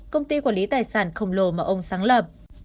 công ty quản lý tài sản khổng lồ mà ông sáng lập